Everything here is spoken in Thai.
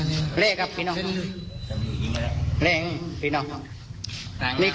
นี่ครับนี่เล่อะท่ำนี้ปีน้องครับ